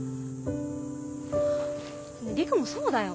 陸もそうだよ。